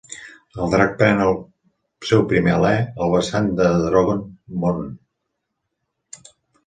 El Drac pren el seu primer alè al vessant de Dragonmount!